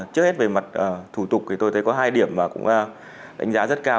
trước hết về mặt thủ tục thì tôi thấy có hai điểm mà cũng đánh giá rất cao